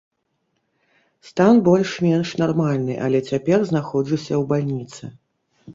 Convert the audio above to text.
Стан больш-менш нармальны, але цяпер знаходжуся ў бальніцы.